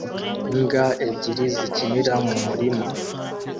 Imbwa ebyiri zikinira mu murima